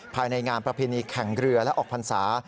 ภายในงานประเพณีแข่งเรือและออกพรรษา